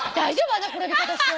あんな転び方して。